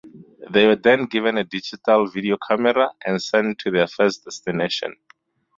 They were then given a digital video camera, and sent to their first destination.